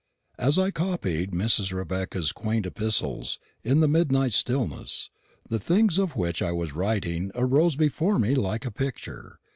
As I copied Mrs. Rebecca's quaint epistles, in the midnight stillness, the things of which I was writing arose before me like a picture.